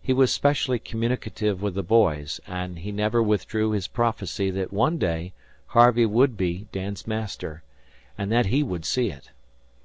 He was especially communicative with the boys, and he never withdrew his prophecy that one day Harvey would be Dan's master, and that he would see it.